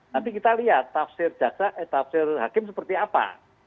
nanti kita lihat tafsir hakim seperti apa